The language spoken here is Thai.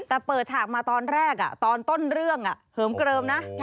แต่เปิดฉากมาตอนแรกตอนต้นเรื่องเหิมเกลิมนะ